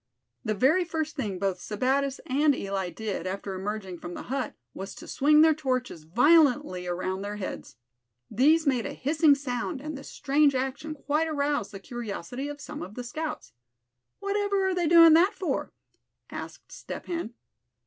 The very first thing both Sebattis and Eli did, after emerging from the hut, was to swing their torches violently around their heads. These made a hissing sound and the strange action quite aroused the curiosity of some of the scouts. "Whatever are they doing that for?" asked Step Hen.